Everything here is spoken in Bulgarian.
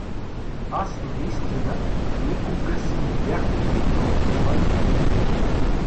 Аз наистина никога се не бях опитвал в това изкуство.